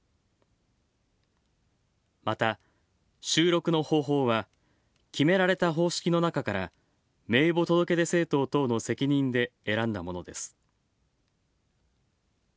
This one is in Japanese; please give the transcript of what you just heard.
また、収録の方法は決められた方式の中から名簿届出政党等の責任で選んだものです。